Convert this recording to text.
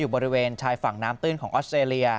บริเวณชายฝั่งน้ำตื้นของออสเตรเลีย